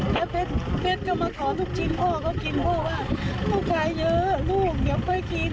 แล้วเพชรก็มาขอลูกชิ้นพ่อก็กินเพราะว่าลูกขายเยอะลูกอย่าไปกิน